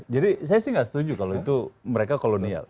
jadi saya sih nggak setuju kalau itu mereka kolonial